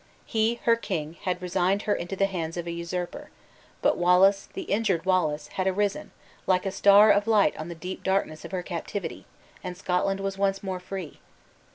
He, her king, had resigned her into the hands of an usurper; but Wallace, the injured Wallace, had arisen, like a star of light on the deep darkness of her captivity, and Scotland was once more free.